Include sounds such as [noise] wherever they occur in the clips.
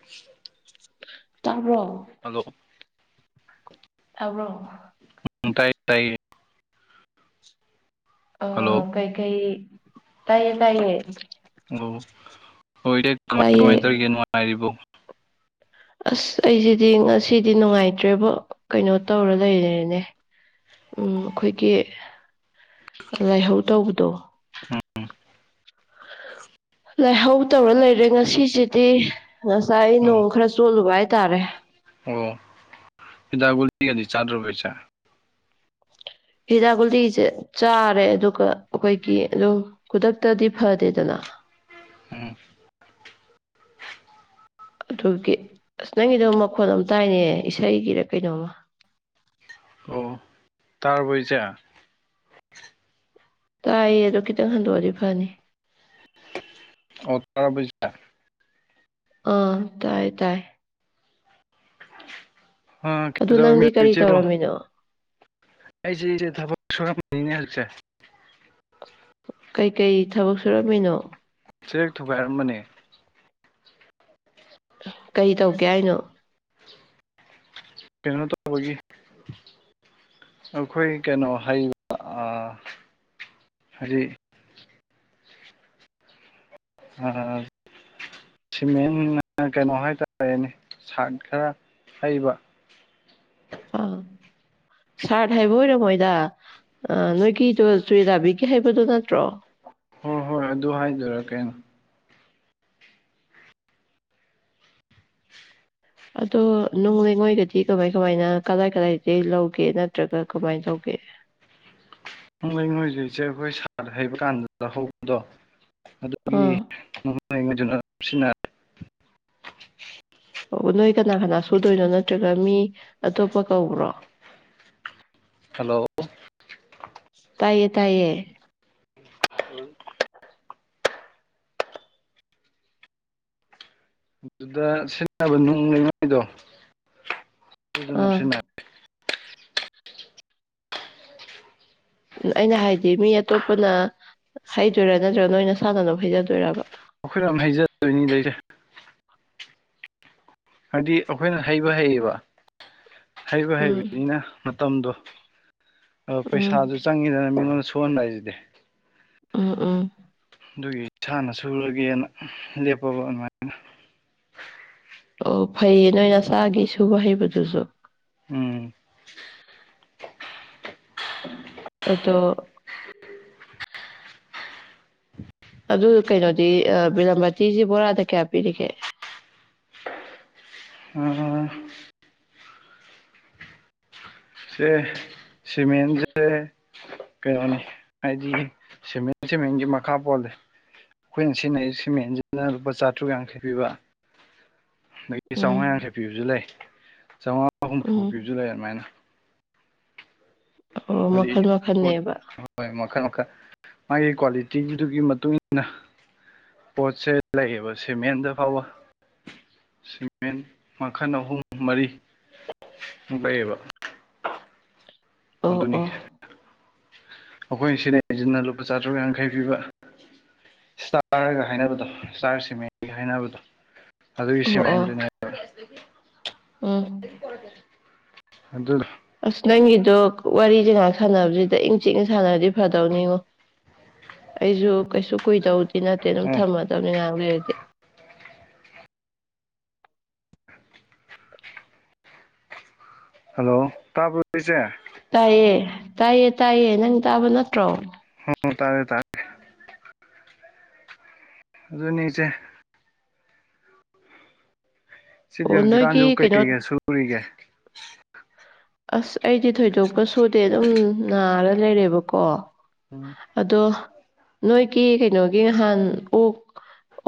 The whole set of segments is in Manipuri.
[unintelligible] ꯇꯥꯕ꯭ꯔꯣ ꯍꯜꯂꯣ ꯇꯥꯕ꯭ꯔꯣ [unintelligible] ꯇꯥꯏ ꯇꯥꯏ ꯍꯜꯂꯣ ꯀꯩ ꯀꯩ ꯇꯥꯌꯦ ꯇꯥꯌꯦ ꯑꯣ ꯍꯣꯏ ꯀꯃꯥꯏ ꯇꯥꯏꯌꯦ ꯀꯃꯥꯏꯅ ꯇꯧꯔꯤꯒꯦ ꯅꯨꯡꯉꯥꯏꯔꯤꯕꯣ ꯑꯁ ꯑꯩꯁꯤꯗꯤ ꯉꯁꯤꯗꯤ ꯅꯨꯡꯉꯥꯏꯇ꯭ꯔꯦꯕ ꯀꯩꯅꯣ ꯇꯧꯔ ꯂꯩꯔꯦꯅꯦ ꯎꯝ ꯑꯩꯈꯣꯏꯒꯤ ꯂꯥꯏꯍꯧ ꯇꯧꯕꯗꯣ ꯎꯝ ꯂꯥꯏꯍꯧ ꯇꯧꯔ ꯂꯩꯔꯦ ꯉꯁꯤꯁꯤꯗꯤ ꯉꯁꯥꯏ ꯑꯣ ꯅꯣꯡ ꯈꯔ ꯆꯣꯠꯂꯨꯕ ꯍꯥꯏꯇꯔꯦ ꯑꯣ ꯍꯤꯗꯥꯛ ꯒꯨꯂꯤꯒꯗꯤ ꯆꯠꯔꯨꯕꯦ ꯏꯆꯥꯟ ꯍꯤꯗꯥꯛ ꯒꯨꯂꯤꯁꯦ ꯆꯥꯔꯦ ꯑꯗꯨꯒ ꯑꯩꯈꯣꯏꯒꯤ ꯑꯗꯨꯝ ꯈꯨꯗꯛꯇꯗꯤ ꯐꯗꯦꯗꯅ ꯎꯝ ꯑꯗꯨꯒꯤ ꯑꯁ ꯅꯪꯒꯤꯗꯣ ꯃꯈꯣꯟꯜ ꯌꯥꯝꯅ ꯇꯥꯏꯅꯦ ꯏꯁꯩꯒꯤꯔ ꯀꯩꯅꯣꯝꯃ ꯑꯣ ꯇꯥꯔꯕꯣ ꯏꯆꯥꯟ ꯇꯥꯏꯌꯦ ꯑꯗꯣ ꯈꯤꯇꯪ ꯍꯟꯗꯣꯛꯑꯗꯤ ꯐꯅꯤ ꯑꯣ ꯇꯥꯔꯕꯣ ꯏꯆꯦ ꯑꯥ ꯇꯥꯏ ꯇꯥꯏ ꯑ ꯑꯗꯨ ꯅꯪꯗꯤ ꯀꯩꯗꯧꯔꯝꯃꯤꯅꯣ ꯀꯔꯤ ꯏꯆꯦꯕꯣ ꯇꯧꯔꯝꯃꯤꯅꯣ ꯑꯩꯁꯦ ꯑꯩꯁꯦ ꯊꯕꯛ ꯁꯨꯔꯝꯕꯅꯤꯅꯦ ꯍꯧꯖꯤꯛꯁꯦ ꯀꯩꯀꯩ ꯊꯕꯛ ꯁꯨꯔꯝꯃꯤꯅꯣ ꯆꯦꯛ ꯊꯨꯒꯥꯏꯔꯝꯕꯅꯦ ꯀꯩ ꯇꯧꯒꯦ ꯍꯥꯏꯅꯣ ꯀꯩꯅꯣ ꯇꯧꯕꯒꯤ ꯑꯩꯈꯣꯏ ꯀꯩꯅꯣ ꯍꯩꯕ ꯑ ꯍꯥꯏꯗꯤ ꯑꯥ ꯁꯤꯃꯦꯟ ꯅ ꯀꯩꯅꯣ ꯍꯥꯏꯇꯥꯔꯦꯅꯦ ꯁꯥꯠ ꯈꯔ ꯍꯩꯕ ꯑꯥ ꯁꯥꯔꯠ ꯍꯥꯏꯕ ꯑꯣꯏꯔꯣ ꯃꯣꯏꯗ ꯅꯣꯏꯒꯤꯗꯣ ꯆꯨꯔꯦꯗꯥꯕꯤꯒꯤ ꯍꯥꯏꯕꯗꯨ ꯅꯠꯇ꯭ꯔꯣ ꯍꯣꯏ ꯍꯣꯏ ꯑꯗꯨ ꯍꯥꯏꯗꯣꯏꯔꯥ ꯀꯩꯅꯣ ꯑꯗꯣ ꯅꯨꯡ ꯂꯩꯉꯣꯏꯒꯗꯤ ꯀꯃꯥꯏ ꯀꯃꯥꯏꯅ ꯀꯗꯥꯥꯏ ꯀꯗꯥꯏꯗꯒꯤ ꯂꯧꯒꯦ ꯅꯠꯇ꯭ꯔꯒ ꯀꯃꯥꯏ ꯇꯧꯒꯦ ꯅꯣꯏꯅꯣꯏ ꯏꯆꯦ ꯖꯥꯈꯣꯏ ꯁꯥꯔ ꯍꯩꯕ ꯀꯥꯟꯗ ꯆꯍꯧꯕꯗꯣ ꯑꯗꯨꯒꯤ ꯑꯥ [unintelligible] ꯁꯤꯅ ꯑꯣ ꯅꯣꯏ ꯀꯅꯥ ꯀꯅꯥ ꯁꯨꯗꯣꯏꯅꯣ ꯅꯠꯇ꯭ꯔꯒ ꯃꯤ ꯑꯇꯣꯞꯄ ꯀꯧꯕ꯭ꯔꯣ ꯍꯜꯂꯣ ꯇꯥꯏꯌꯦ ꯇꯥꯏꯌꯦ [unintelligible] ꯑꯗꯨꯗ ꯁꯤꯖꯤꯟꯅꯕ ꯅꯨꯡ ꯂꯩꯉꯥꯏꯗꯣ ꯑꯥ [unintelligible] ꯎ ꯑꯩꯅ ꯍꯥꯏꯗꯤ ꯃꯤ ꯑꯇꯣꯞꯄꯅ ꯍꯩꯗꯣꯏꯔꯥ ꯅꯠꯇ꯭ꯔꯒ ꯅꯣꯏꯅ ꯁꯥꯟꯅꯅꯕ ꯍꯩꯖꯗꯣꯏꯕ ꯑꯩꯈꯣꯏꯅ ꯌꯥꯝ ꯍꯩꯖꯗꯣꯏꯅꯤ [unintelligible] ꯍꯥꯏꯗꯤ ꯑꯩꯈꯣꯏꯅ ꯍꯩꯕ ꯍꯩꯌꯦꯕ ꯍꯩꯕ ꯎꯝ ꯍꯩꯕꯅꯤꯅ ꯃꯇꯝꯗꯣ ꯑ ꯎꯝ ꯄꯩꯁꯥꯁꯨ ꯆꯪꯉꯤꯗꯅ ꯃꯤꯉꯣꯟꯗ ꯁꯨꯍꯟꯕ ꯍꯥꯏꯁꯤꯗꯤ ꯎꯝ ꯎꯝ ꯑꯗꯨꯒꯤ ꯏꯁꯥꯅ ꯁꯨꯔꯒꯦꯅ ꯂꯦꯞꯄꯕ ꯑꯗꯨꯃꯥꯏꯅ ꯑꯣ ꯐꯩꯌꯦ ꯅꯣꯏ ꯅꯁꯥꯒꯤ ꯁꯨꯕ ꯍꯩꯕꯗꯨꯁꯨ ꯎꯝ [inaudible] ꯑꯗꯣ ꯑꯗꯨ ꯀꯩꯅꯣꯗꯤ ꯕꯤꯔꯥꯃꯇꯤꯁꯤ ꯕꯣꯔꯥꯗ ꯀꯌꯥ ꯄꯤꯔꯤꯒꯦ [unintelligible] ꯁꯦ ꯁꯤꯃꯦꯟꯁꯦ ꯀꯩꯅꯣꯅꯤ ꯍꯥꯏꯗꯤ ꯁꯤꯃꯦꯟ-ꯁꯤꯃꯦꯟꯒꯤ ꯃꯈꯥ ꯄꯣꯜꯂꯦ ꯑꯩꯈꯣꯏꯅ ꯁꯤꯖꯤꯟꯅ ꯁꯤꯃꯦꯟꯁꯤꯅ ꯂꯨꯄꯥ ꯆꯥꯇ꯭ꯔꯨꯛ ꯌꯥꯡꯈꯩ ꯄꯤꯕ ꯑꯗꯒꯤ ꯆꯧꯉꯥ ꯎꯝ ꯌꯥꯡꯈꯩ ꯄꯤꯕꯁꯨ ꯂꯩ ꯆꯧꯉꯥ ꯍꯨꯝꯐꯨ ꯎꯝ ꯄꯤꯕꯁꯨ ꯂꯩ ꯑꯗꯨꯃꯥꯏꯅ ꯑꯣ ꯑꯗꯨꯗꯤ ꯃꯈꯜ ꯄꯣꯠ ꯃꯈꯜꯅꯦꯕ ꯍꯣꯏ ꯃꯈꯜ-ꯃꯈꯜ ꯃꯥꯒꯤ ꯀ꯭ꯋꯥꯂꯤꯇꯤꯗꯨꯒꯤ ꯃꯇꯨꯡ ꯏꯟꯅ ꯄꯣꯠꯁꯦ ꯂꯩꯌꯦꯕ ꯁꯤꯃꯦꯟꯗ ꯐꯥꯎꯕ ꯁꯤꯃꯦꯟ ꯃꯈꯜ ꯑꯍꯨꯝ-ꯃꯔꯤꯃꯨꯛ ꯂꯩꯌꯦꯕ ꯑꯣ ꯑꯗꯨꯅꯤ ꯑꯣ ꯑꯩꯈꯣꯏꯅ ꯁꯤꯖꯟꯅꯩꯁꯤꯟꯅ ꯂꯨꯄꯥ ꯆꯥꯇ꯭ꯔꯨꯛ ꯌꯥꯡꯈꯩ ꯄꯤꯕ ꯏꯁꯇꯥꯔꯒ ꯍꯥꯏꯅꯕꯗꯣ ꯏꯁꯇꯥꯔ ꯁꯤꯃꯦꯟꯒ ꯍꯥꯏꯅꯕꯗꯣ ꯑꯗꯨꯒꯤ ꯑꯣ ꯑꯣ ꯁꯤꯃꯦꯟꯗꯨꯅꯤ [inaudible] ꯎꯝ [unintelligible] ꯑꯗꯨꯗꯨ ꯑꯁ ꯅꯪꯒꯤꯗꯣ ꯋꯥꯔꯤꯖꯦ ꯉꯥꯏꯍꯥꯛ ꯁꯥꯟꯅꯕꯁꯤꯗ ꯏꯪ ꯆꯤꯛꯅ ꯁꯥꯟꯅꯔꯗꯤ ꯐꯗꯧꯅꯤꯉꯣ ꯑꯩꯁꯨ ꯀꯩꯁꯨ ꯀꯨꯏꯗꯧꯗꯤ ꯅꯠꯇꯦ ꯑꯗꯨꯝ ꯑꯣ ꯊꯝꯃꯗꯧꯅꯤ ꯉꯥꯏꯍꯥꯛ ꯂꯩꯔꯗꯤ ꯍꯜꯂꯣ ꯇꯥꯕ꯭ꯔꯣ ꯏꯆꯦ ꯇꯥꯏꯌꯦ ꯇꯥꯏꯌꯦ ꯇꯥꯏꯌꯦ ꯅꯪ ꯇꯥꯕ ꯅꯠꯇ꯭ꯔꯣ꯫ ꯎꯝ ꯇꯥꯔꯦ ꯇꯥꯔꯦ꯫ ꯑꯗꯨꯨꯅꯤ ꯏꯆꯦ꯫ ꯁꯤꯗꯤ ꯑꯣ ꯍꯧꯖꯤꯛꯀꯥꯟꯁꯨ ꯅꯣꯏꯒꯤ ꯀꯩ ꯀꯩ ꯀꯩꯅꯣ ꯀꯩ ꯁꯨꯔꯤꯒꯦ꯫ ꯑꯁ ꯑꯩꯗꯤ ꯊꯣꯏꯗꯣꯛꯄ ꯁꯨꯗꯦ ꯑꯗꯨꯝ ꯅꯥꯔ ꯂꯩꯔꯦꯕꯀꯣ꯫ ꯎꯝ꯫ ꯑꯗꯣ ꯅꯣꯏꯒꯤ ꯀꯩꯅꯣꯒꯤ ꯅꯍꯥꯟ ꯑꯣꯛ꯫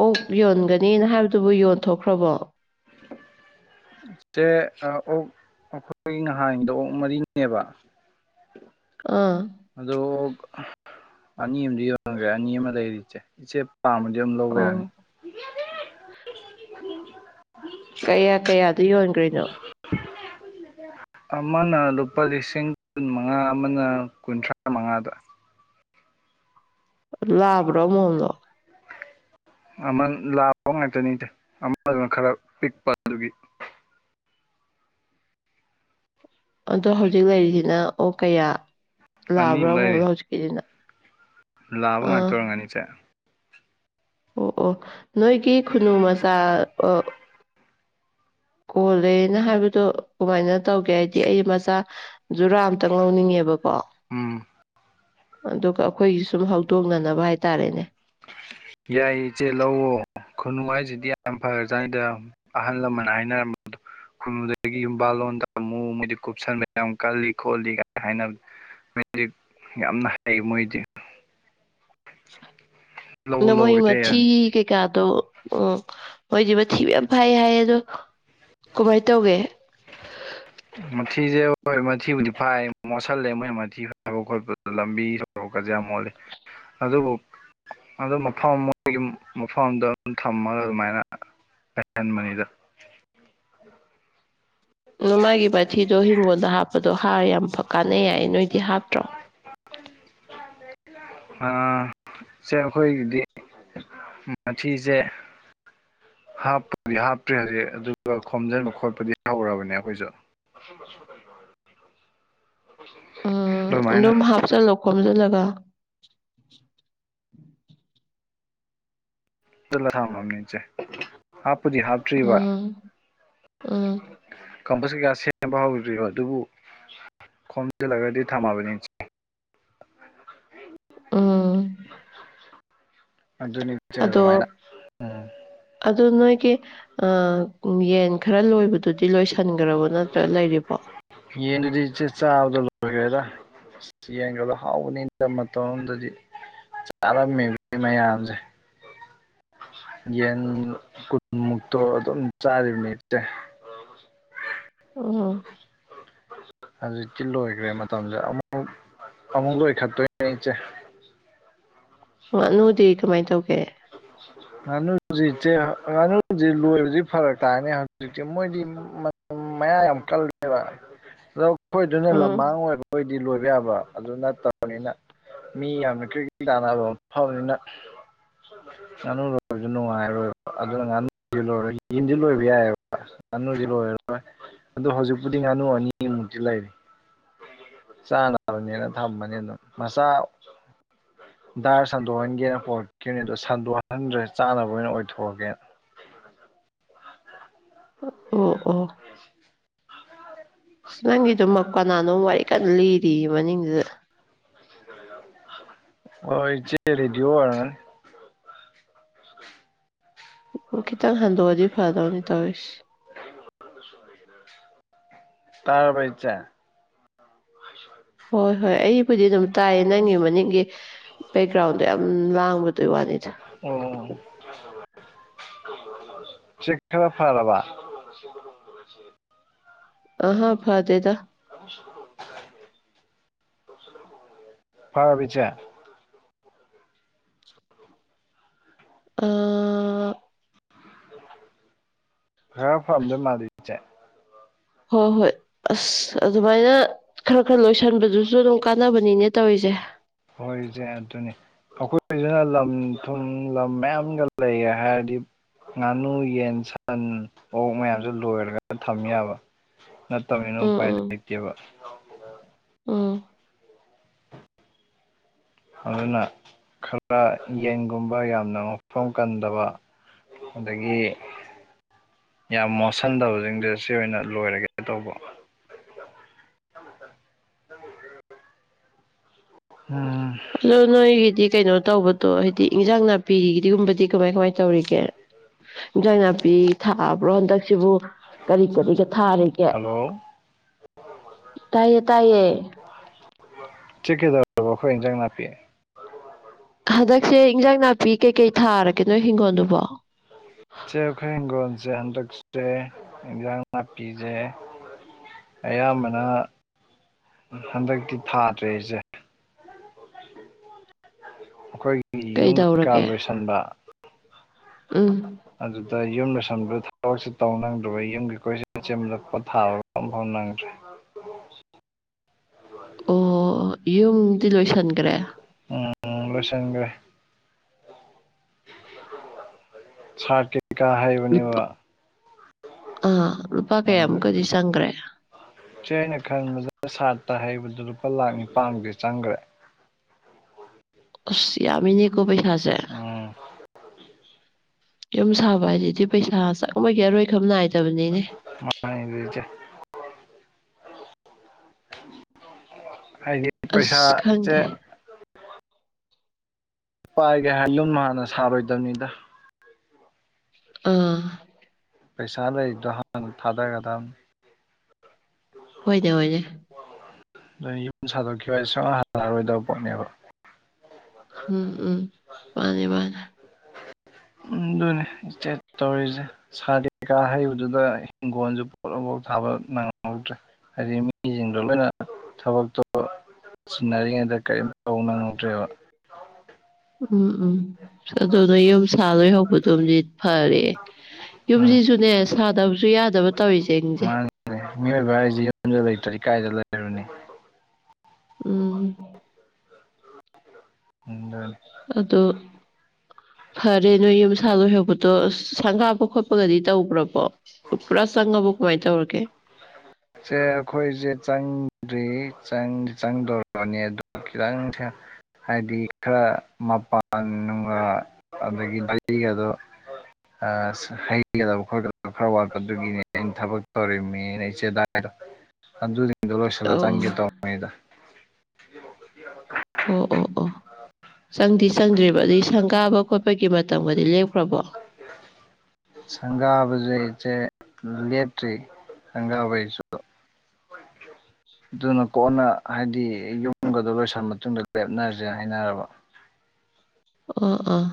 ꯑꯣꯛ ꯌꯣꯟꯒꯅꯤꯅ ꯍꯥꯏꯕꯗꯨꯕꯨ ꯌꯣꯟꯊꯣꯛꯈ꯭ꯔꯕꯣ꯫ ꯁꯦ ꯑꯣꯛ ꯑꯩꯈꯣꯏ ꯉꯍꯥꯟꯗꯣ ꯑꯣꯛ ꯃꯔꯤꯅꯦꯕ꯫ ꯑꯥ꯫ ꯑꯗꯣ ꯑꯅꯤꯃꯗꯤ ꯌꯣꯟꯒ꯭ꯔꯦ ꯑꯅꯤ ꯑꯃ ꯂꯩꯔꯤ ꯏꯆꯦ-ꯏꯆꯦ꯫ ꯄꯥꯝꯃꯗꯤ ꯑꯗꯨꯝ ꯂꯧꯕ ꯑꯣ ꯌꯥꯅꯤ꯫ [unintelligible] ꯀꯌꯥ ꯀꯌꯥꯗ ꯌꯣꯟꯈ꯭ꯔꯤꯅꯣ꯫ [unintelligible] ꯑꯃꯅ ꯂꯨꯄꯥ ꯂꯤꯁꯤꯡ ꯀꯨꯟ ꯃꯉꯥ ꯑꯃꯅ꯫ ꯀꯨꯟꯊ꯭ꯔꯥ ꯃꯉꯥꯗ꯫ ꯂꯥꯛꯕ꯭ꯔꯣ ꯑꯃꯣꯝꯂꯣ꯫ ꯑꯃ ꯂꯥꯕ ꯉꯥꯛꯇꯅꯤꯗ ꯑꯃꯗꯨꯅ ꯈꯔ ꯄꯤꯛꯄ ꯑꯗꯨꯒꯤ꯫ ꯑꯗꯣ ꯍꯧꯖꯤꯛ ꯂꯩꯔꯤꯁꯤꯅ ꯑꯣ ꯀꯌꯥ ꯂꯥꯛꯑꯕ꯭ꯔꯥ ꯑꯅꯤꯃꯨꯛ ꯂꯩꯔꯤ ꯑꯃꯣꯅꯣ ꯍꯧꯖꯤꯛꯀꯤꯁꯤꯅ꯫ ꯂꯥꯕ ꯑꯥ ꯉꯥꯛꯇ ꯑꯣꯏꯔꯝꯒꯅꯤ ꯏꯁꯦ꯫ ꯑꯣ-ꯑꯣ ꯅꯣꯏꯒꯤ ꯈꯨꯅꯨ ꯃꯆꯥ꯫ ꯀꯣꯜꯂꯦꯅ ꯍꯥꯏꯕꯗꯣ ꯀꯃꯥꯏꯅ ꯇꯧꯒꯦ ꯍꯥꯏꯗꯤ ꯑꯩ ꯃꯆꯥ꯫ ꯖꯨꯔꯥ ꯑꯝꯇꯪ ꯂꯧꯅꯤꯡꯉꯦꯕꯀꯣ꯫ ꯎꯝ꯫ ꯑꯗꯨꯒ ꯑꯩꯈꯣꯏꯒꯤ ꯁꯨꯝ ꯍꯧꯗꯣꯡꯅꯅꯕ ꯍꯥꯏꯇꯥꯔꯦꯅꯦ꯫ ꯌꯥꯏ ꯏꯆꯦ ꯂꯋꯣ ꯈꯨꯅꯨꯡ ꯍꯥꯏꯁꯤꯗꯤ ꯌꯥꯝ ꯐ꯭ꯔꯖꯥꯅꯤꯗ꯫ ꯑꯍꯜ ꯂꯃꯟꯅ ꯍꯥꯏꯅꯔꯝꯕꯗꯣ꯫ ꯈꯨꯅꯨꯗꯒꯤ ꯌꯨꯝꯕꯥꯜ ꯂꯣꯟꯗ ꯑꯃꯨꯛ ꯃꯣꯏꯗꯤ ꯀꯨꯞꯁꯟꯕ ꯌꯥꯝ ꯀꯜꯂꯤ ꯈꯣꯠꯂꯤ ꯒꯥꯏ ꯍꯥꯏꯅꯕ꯫ [inaudible] ꯌꯥꯝꯅ ꯍꯩ ꯃꯣꯏꯗꯤ꯫ ꯂꯧ ꯑꯗꯣ ꯃꯣꯏ ꯂꯧ ꯏꯆꯦ ꯃꯤ꯭ꯊꯤ ꯌꯥꯅꯤ ꯀꯩꯀꯥꯗꯣ꯫ ꯑꯣ ꯃꯣꯏꯗꯤ ꯃꯊꯤꯕ ꯃꯌꯥꯝ ꯐꯥꯏ ꯍꯥꯏꯌꯦ ꯑꯗꯣ ꯀꯃꯥꯏꯅ ꯇꯧꯒꯦ꯫ ꯃꯊꯤꯁꯦ ꯍꯣꯏ ꯃꯊꯤꯕꯨꯗꯤ ꯐꯥꯏ ꯃꯣꯠꯁꯤꯜꯂꯦ ꯃꯣꯏ ꯃꯊꯤ ꯐꯥꯕ ꯈꯣꯠꯄꯗ ꯂꯝꯕꯤ꯫ ꯁꯣꯔꯣꯛꯀꯁꯤ ꯌꯥꯝ ꯃꯣꯠꯜꯂꯤ ꯑꯗꯨꯕꯨ꯫ ꯑ ꯃꯐꯝ ꯃꯣꯏꯒꯤ ꯃꯐꯝꯗ ꯑꯗꯨꯝ ꯊꯝꯃꯒ ꯑꯗꯨꯃꯥꯏꯅ ꯂꯩꯍꯟꯕꯅꯤꯗ꯫ ꯑꯗꯣ ꯃꯥꯒꯤ ꯃꯊꯤꯗꯣ ꯍꯤꯡꯒꯣꯜꯗ ꯍꯥꯞꯄꯗꯣ ꯍꯥꯔ ꯌꯥꯝ ꯀꯥꯟꯅꯩ ꯌꯥꯏꯌꯦ ꯅꯣꯏꯗꯤ ꯍꯥꯞꯇ꯭ꯔꯣ꯫ [unintelligible] ꯑꯥ ꯏꯆꯦ ꯑꯩꯈꯣꯏꯒꯤꯗꯤ꯫ ꯃꯥꯊꯤꯖꯦ꯫ ꯍꯥꯞꯄꯗꯤ ꯍꯥꯞꯇ꯭ꯔꯤ ꯍꯧꯖꯤꯛ ꯑꯗꯨꯒ ꯈꯣꯝꯖꯤꯟꯕ ꯈꯣꯠꯄꯗꯤ ꯍꯧꯔꯦ꯫ [inaudible] ꯑꯩꯈꯣꯏꯖꯨ꯫ ꯎꯝ ꯑꯗꯨꯃꯥꯏꯅ ꯑꯗꯨꯝ ꯍꯥꯞꯆꯜꯂꯣ ꯈꯣꯝꯖꯜꯂꯒ꯫ [inaudible] ꯏꯆꯦ ꯍꯥꯞꯄꯨꯗꯤ ꯍꯥꯞꯇꯔꯤꯕ꯫ ꯎꯝ ꯎꯝ ꯀꯝꯄꯁ ꯀꯩ ꯀꯀꯥ ꯁꯦꯝꯕ ꯍꯧꯗ꯭ꯔꯤꯕ ꯑꯗꯨꯕꯨ ꯈꯣꯝꯖꯤꯜꯂꯒꯗꯤ ꯊꯝꯃꯕꯅꯤ꯫ ꯎꯝ꯫ [unintelligible] ꯑꯗꯨꯅꯤ꯫ ꯏꯆꯦ ꯑꯗꯣ ꯑꯗꯨꯃꯥꯏꯅ ꯎꯝ ꯑꯗꯣ ꯅꯣꯏꯒꯤ ꯌꯦꯟ꯫ ꯈꯔ ꯂꯣꯏꯕꯗꯨꯗꯤ ꯂꯣꯏꯁꯟꯈꯒ꯭ꯔꯕ ꯅꯠꯇ꯭ꯔ ꯂꯩꯔꯤꯕꯣ꯫ ꯌꯦꯟꯗꯨꯗꯤ ꯆꯦ ꯆꯥꯕꯗ ꯂꯣꯏꯒ꯭ꯔꯦꯗ꯫ ꯌꯦꯡꯒꯗꯣ ꯍꯥꯎꯕꯅꯤ ꯃꯇꯝ ꯑꯃꯗꯗꯤ ꯆꯥꯔꯝꯃꯤꯕ ꯃꯌꯥꯝꯁꯦ꯫ ꯌꯦꯟ ꯀꯨꯟꯃꯨꯛꯇꯣ ꯑꯗꯨꯝ ꯆꯥꯔꯤꯕ [unintelligible] ꯑꯣ ꯍꯣ꯫ ꯍꯧꯖꯤꯛꯇꯤ ꯂꯣꯏꯈ꯭ꯔꯦ ꯃꯇꯝꯁꯦ ꯑꯃꯨꯛ ꯑꯃꯨꯛ ꯂꯣꯏꯈꯛꯇꯣꯏꯅꯦ ꯏꯆꯦ ꯉꯥꯅꯨꯗꯤ ꯀꯃꯥꯏꯅ ꯇꯧꯒꯦ ꯉꯥꯅꯨꯖꯤꯠꯁꯦ ꯉꯥꯅꯨꯖꯤꯠ ꯂꯣꯏꯕꯗꯤ ꯐꯔꯛ ꯇꯥꯔꯅꯤ ꯍꯧꯖꯤꯛꯇꯤ ꯃꯣꯏꯗꯤ [unintelligible] ꯃꯌꯥ ꯌꯥꯝ ꯀꯜ ꯂꯦꯕ ꯑꯩꯈꯣꯏꯗꯨꯅ ꯎꯝ ꯂꯝꯃꯥꯡ ꯑꯣꯏꯕꯣꯏꯗꯤ ꯂꯣꯏꯕ ꯌꯥꯕ ꯑꯗꯨ ꯅꯠꯇꯕ ꯐꯅꯤꯅ ꯃꯤ ꯌꯥꯝꯅ ꯀ꯭ꯔꯤꯀꯦꯠ ꯇꯥꯟꯅꯕ ꯑꯃ ꯐꯕꯅꯤꯅ ꯉꯥꯅꯨ ꯂꯣꯏꯕꯁꯨ ꯅꯨꯡꯉꯥꯏꯔꯣꯏꯕ ꯑꯗꯨꯅ ꯉꯥꯅꯨ ꯂꯣꯏꯔꯔꯣꯏ ꯌꯦꯟꯗꯤ ꯂꯣꯏꯕ ꯌꯥꯏꯌꯦꯕ ꯉꯥꯅꯨꯗꯤ ꯂꯣꯏꯔꯔꯣꯏ ꯑꯗꯨ ꯍꯧꯖꯤꯛꯄꯨꯗꯤ ꯉꯥꯅꯨ ꯑꯅꯤꯃꯨꯛꯇꯤ ꯂꯩꯔꯤ ꯆꯥꯅꯕꯅꯦꯅ ꯊꯝꯕꯅꯤ ꯑꯗꯨꯝ ꯃꯆꯥ ꯗꯥꯔ ꯁꯟꯗꯣꯛꯍꯟꯒꯦꯅ ꯄꯣꯔꯛꯈꯤꯕꯅꯤ ꯑꯗꯣ ꯁꯟꯗꯣꯛꯍꯟꯗ꯭ꯔꯦ ꯆꯥꯅꯕ ꯑꯣꯏꯅ ꯑꯣꯏꯊꯣꯛꯑꯒꯦꯅ [unintelligible] ꯑꯣ-ꯑꯣ ꯑꯁ ꯅꯪꯒꯤꯗꯨꯃꯛ [inaudible] ꯀꯅꯥꯅꯣꯝ ꯋꯥꯔꯤ ꯀꯟꯅ ꯂꯤꯔꯤ ꯃꯅꯤꯡꯗꯨꯗ ꯑꯣ ꯏꯆꯦ ꯔꯦꯗꯤꯑꯣ ꯋꯥꯔ ꯎ ꯈꯤꯇꯪ ꯍꯟꯗꯣꯛꯑꯗꯤ ꯐꯗꯧꯅꯤ ꯇꯧꯔꯤꯁꯤ [unintelligible] ꯇꯥꯔꯕ꯭ꯔ ꯏꯆꯦ ꯍꯣꯏ ꯍꯣꯏ ꯑꯩꯕꯨꯗꯤ ꯑꯗꯨꯝ ꯇꯥꯏꯌꯦ ꯅꯪꯒꯤ ꯃꯅꯤꯡꯒꯤ ꯕꯦꯛꯒ꯭ꯔꯥꯎꯟꯗꯣ ꯌꯥꯝ ꯂꯥꯡꯕꯗꯨꯏ ꯋꯥꯅꯤꯗ ꯑꯣꯝ ꯆꯦꯛ ꯈꯔ ꯐꯔꯕ ꯑꯍꯥ ꯐꯥꯗꯦꯗ [unintelligible] ꯇꯥꯔꯕꯣ ꯏꯆꯦ ꯑꯥ ꯈꯔ ꯐꯥꯝꯗꯣꯏ ꯃꯥꯗꯁꯦ ꯍꯣꯏ-ꯍꯣꯏ ꯑꯁ ꯑꯗꯨꯃꯥꯏꯅ ꯈꯔ-ꯈꯔ ꯂꯣꯏꯁꯟꯕꯗꯨꯁꯨ ꯑꯗꯨꯝ ꯀꯥꯟꯅꯕꯅꯤꯅꯦ ꯇꯧꯔꯤꯖꯦ ꯍꯣꯏꯁꯦ ꯑꯗꯨꯅꯤ ꯑꯩꯈꯣꯏꯁꯤꯅ ꯂꯝ ꯊꯨꯝ ꯂꯝ ꯃꯌꯥꯝꯒ ꯂꯩꯒꯦ ꯍꯥꯏꯔꯗꯤ ꯉꯥꯅꯨ ꯌꯦꯟ ꯁꯟ ꯑꯣꯛ ꯃꯌꯥꯝꯁ ꯂꯣꯏꯔꯒ ꯊꯝꯃꯦ ꯌꯥꯕ ꯅꯠꯇꯕꯅ ꯎꯝ ꯎꯄꯥꯏ ꯎꯝ ꯂꯩꯇꯦꯕ ꯎꯝ ꯑꯗꯨꯅ ꯈꯔ ꯌꯦꯟꯒꯨꯝꯕ ꯌꯥꯝꯅ ꯃꯐꯝ ꯀꯟꯗꯕ ꯑꯗꯒꯤ ꯌꯥꯝ ꯃꯣꯠꯁꯟꯗꯕꯁꯤꯡꯁꯦ ꯁꯤ ꯑꯣꯏꯅ ꯂꯣꯏꯔꯒꯦ ꯇꯧꯕ ꯎꯝ ꯑꯂꯣ ꯅꯣꯏꯒꯤꯗꯤ ꯀꯩꯅꯣ ꯇꯧꯕꯗꯣ ꯍꯥꯏꯗꯤ ꯏꯟꯖꯥꯡ ꯅꯥꯄꯤꯒꯤꯗꯤꯒꯨꯝꯕꯗꯤ ꯀꯃꯥꯏ ꯀꯃꯥꯏ ꯇꯧꯔꯤꯒꯦ ꯏꯟꯖꯥꯡ ꯅꯥꯄꯤ ꯊꯥꯕ꯭ꯔꯣ ꯍꯟꯗꯛꯁꯤꯕꯨ ꯀꯔꯤ ꯀꯔꯤꯒ ꯊꯥꯔꯤꯒꯦ ꯍꯜꯂꯣ ꯇꯥꯏꯌꯦ ꯇꯥꯏꯌꯦ ꯆꯤꯛꯀꯤꯦꯗꯔꯕ ꯑꯩꯈꯣꯏꯟꯖꯪ ꯅꯥꯄꯤ ꯍꯟꯗꯛꯁꯦ ꯏꯟꯖꯥꯡ ꯅꯥꯄꯤ ꯀꯩꯀꯩ ꯊꯥꯔꯒꯦ ꯅꯣꯏ ꯍꯤꯡꯒꯣꯜꯗꯨꯕꯣ ꯏꯆꯦ ꯑꯩꯈꯣꯏ ꯍꯤꯡꯈꯣꯜꯁꯦ ꯍꯟꯗꯛꯁꯦ ꯏꯟꯁꯥꯡ ꯅꯥꯄꯤꯁꯦ ꯑꯌꯥꯝꯕꯅ ꯍꯟꯗꯛꯇꯤ ꯊꯥꯗ꯭ꯔꯦ ꯑꯩꯁꯦ ꯑꯩꯈꯣꯏꯒꯤ ꯌꯨꯝ ꯀꯩꯀꯥ ꯀꯩꯗꯧꯔꯒꯦ ꯂꯣꯏꯁꯤꯟꯕ ꯎꯝ ꯑꯗꯨꯗ ꯌꯨꯝ ꯂꯣꯏꯁꯤꯟꯕꯗ ꯊꯕꯛꯁ ꯇꯧꯅꯤꯡꯪꯗ꯭ꯔꯕ ꯌꯨꯝ ꯀꯩꯀꯣꯏꯁꯤ ꯁꯦꯝꯂꯛꯄ ꯊꯥ [unintelligible] ꯑꯣ ꯌꯨꯝꯗꯤ ꯂꯣꯏꯁꯟꯈ꯭ꯔꯦ ꯎꯝ ꯂꯣꯏꯁꯤꯟꯒ꯭ꯔꯦ ꯁꯥꯇ [unintelligible] ꯑꯥ ꯂꯨꯄꯥ ꯑꯗꯨ ꯀꯌꯥꯃꯨꯛꯀꯗꯤ ꯆꯪꯒ꯭ꯔꯦ ꯆꯦ ꯑꯩꯅ ꯈꯟꯕꯗ ꯁꯥꯠꯇ ꯍꯩꯕꯗꯨ ꯂꯨꯄꯥ ꯂꯥꯛ ꯅꯤꯄꯥꯟꯗꯤ ꯆꯪꯒ꯭ꯔꯦ ꯑꯁ ꯌꯥꯝꯃꯤꯅꯦꯀꯣ ꯄꯩꯁꯥꯁꯦ ꯎꯝ ꯌꯨꯝ ꯁꯥꯕ ꯍꯥꯏꯁꯤꯗꯤ ꯄꯩꯁꯥ ꯆꯪꯕꯒꯤ ꯑꯔꯣꯏ ꯈꯝ ꯅꯥꯏꯗꯕꯅꯤꯅꯦ [unintelligible] ꯏꯆꯦ ꯍꯥꯏꯗꯤ ꯑꯁ ꯄꯩꯁꯥ ꯈꯪꯗꯦ ꯆꯦ ꯄꯥꯏꯒꯦ ꯍꯥꯏꯔ ꯌꯨꯝ ꯍꯥꯟꯅ ꯁꯥꯔꯣꯏ ꯗꯧꯅꯤꯗ ꯑ ꯄꯩꯁꯥ ꯂꯩ [unintelligible] ꯍꯥꯟ ꯊꯥꯗꯒꯗꯕꯅꯤ ꯍꯣꯏꯅꯦ ꯍꯣꯏꯅꯦ ꯅꯣꯏ ꯌꯨꯝ ꯁꯥꯗꯣꯛꯈꯤꯕ ꯍꯥꯢꯁꯦ ꯁꯨꯡ ꯍꯜ ꯍꯟꯂꯛ ꯑꯔꯣꯏꯗꯕ ꯄꯣꯠꯅꯦꯕ ꯎꯝ ꯎꯝ ꯃꯥꯅꯦ ꯃꯥꯅꯦ ꯎꯝ ꯑꯗꯨꯅꯦ ꯏꯆꯦ ꯇꯧꯔꯤꯁꯦ ꯁꯥꯏꯠ ꯀꯩꯀꯥ ꯍꯩꯕꯗꯨꯗ ꯍꯤꯡꯒꯣꯜꯁꯨ ꯄꯣꯠ ꯑꯝꯕꯧ ꯊꯥꯕ ꯅꯪꯍꯧꯗ꯭ꯔꯦ ꯍꯥꯏꯗꯤ ꯃꯤꯁꯤꯡꯗꯣ ꯂꯣꯏꯅ ꯊꯕꯛꯇꯣ ꯆꯤꯟꯅꯔꯤꯉꯩꯗ ꯀꯔꯤꯝ ꯇꯧ ꯅꯪꯍꯧꯗ꯭ꯔꯦꯕ ꯎꯝ ꯎꯝ ꯑꯗꯣ ꯅꯣꯏ ꯌꯨꯝ ꯁꯥ ꯂꯣꯏꯍꯧꯕ ꯗꯨꯝꯗꯤ ꯐꯔꯦ ꯎꯝ ꯌꯨꯝꯁꯤꯁꯨꯅꯦ ꯁꯥꯗꯕꯁꯨ ꯌꯥꯗꯕ ꯇꯧꯔꯤꯁꯦꯡꯁꯦ ꯃꯥꯅꯤꯅꯦ ꯃꯤꯑꯣꯏꯕ ꯍꯥꯏꯁꯦ ꯌꯨꯝꯁꯨ ꯂꯩꯇ꯭ꯔꯗꯤ ꯀꯥꯏꯗ ꯂꯩ ꯔꯨꯅꯤ ꯎꯝ ꯎꯝ ꯑꯗꯣ ꯐꯔꯦ ꯅꯣꯏ ꯌꯨꯝꯁꯥ ꯂꯣꯏꯍꯧꯕꯗꯣ ꯁꯪꯒꯥꯕ ꯈꯣꯠꯄꯒꯗꯤ ꯇꯧꯒ꯭ꯔꯕꯣ ꯄꯨꯔꯥ ꯆꯑꯕꯣ ꯀꯃꯥꯏ ꯇꯧꯔꯒꯦ ꯆꯦ ꯑꯈꯣꯏꯁꯦ ꯆꯪꯗ꯭ꯔꯤ ꯆꯪꯗꯤ ꯆꯪꯗꯣꯔꯕꯅꯦ ꯑꯗꯣ ꯈꯤꯇꯪ ꯊꯦ ꯍꯥꯏꯗꯤ ꯈꯔ ꯃꯄꯥꯟ ꯅꯨꯡ ꯑ ꯑꯗꯒꯤ ꯗꯂꯤꯒꯗꯣ ꯑ ꯍꯩꯒꯗꯕ ꯈꯣꯠꯀꯗꯕ ꯈꯔ ꯋꯥꯠꯄ ꯗꯨꯒꯤꯅꯦ ꯑꯩꯅ ꯊꯕꯛ ꯇꯧꯔꯤꯝꯅꯦꯅ ꯏꯆꯦ ꯗꯥ [unintelligible] ꯑꯗꯨ ꯁꯤꯡꯗꯣ ꯂꯣꯏꯁꯤꯜꯂ ꯑꯣ ꯆꯪꯒꯦ ꯇꯧꯅꯤꯗ ꯑꯣ ꯑꯣ ꯑꯣ ꯆꯪꯗꯤ ꯆꯪꯗ꯭ꯔꯤꯕ ꯑꯗꯩ ꯁꯪꯒꯥꯕ ꯈꯣꯠꯄꯒꯤ ꯃꯇꯝꯒꯗꯤ ꯂꯦꯛꯞꯈ꯭ꯔꯕꯣ [inaudible] ꯁꯪꯒꯥꯕꯁꯦ ꯆꯦ ꯂꯦꯞꯇ꯭ꯔꯤ ꯁꯪꯒꯥꯕꯩꯁꯨ [inaudible] ꯑꯗꯨꯅ ꯀꯣꯟꯅ ꯍꯥꯏꯗꯤ ꯌꯨꯝꯒꯗꯣ ꯂꯣꯏꯁꯤꯜꯂ ꯃꯇꯨꯡꯗ ꯂꯦꯞꯅꯔꯁꯦ ꯍꯥꯏꯅꯔꯕ ꯑꯣ ꯑꯣ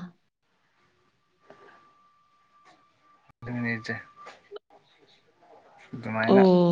ꯑꯗꯨꯅꯤ ꯏꯆꯦ [inaudible] ꯑꯗꯨꯃꯥꯏꯅ ꯑꯣ